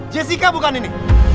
jessica bukan ini